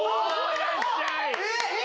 いらっしゃいえっ？